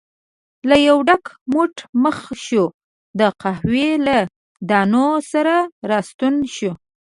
له یو ډک موټ پخ شوو د قهوې له دانو سره راستون شو.